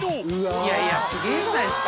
いやいやすげぇじゃないですか。